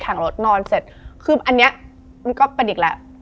ถังรถนอนเสร็จคืออันนี้มันก็เป็นอีกแล้ว